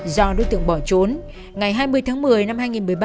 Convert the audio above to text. do đối tượng bỏ trốn ngày hai mươi tháng một mươi năm hai nghìn một mươi ba